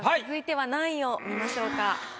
続いては何位を見ましょうか？